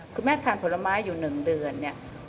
คุณแม่ทานผลไม้อยู่๑เดือนเนี่ย